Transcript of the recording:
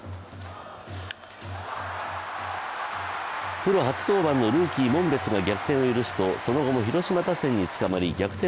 プロ初登板のルーキー・門別が逆転を許すと、その後も広島打線につかまり逆転